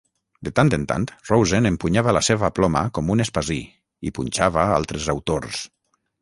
De tant en tant, Rosen empunyava la seva ploma com un espasí, i punxava altres autors.